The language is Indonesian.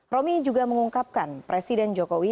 romi juga mengungkapkan presiden jokowi